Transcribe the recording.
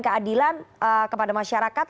keadilan kepada masyarakat